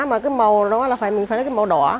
mà cái màu đó là phải mình phải lấy cái màu đỏ